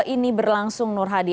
ini berlangsung nur hadi